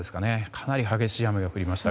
かなり激しい雨が降りました。